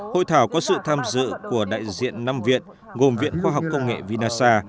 hội thảo có sự tham dự của đại diện năm viện gồm viện khoa học công nghệ vinasa